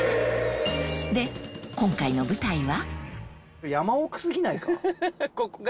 で今回の舞台は？